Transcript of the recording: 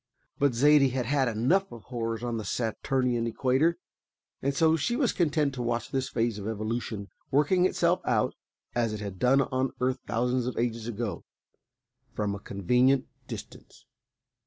But Zaidie had had enough of horrors on the Saturnian equator, and so she was content to watch this phase of evolution working itself out (as it had done on the Earth thousands of ages ago) from a convenient distance.